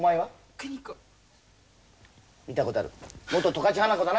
邦子見たことある元十勝花子だな？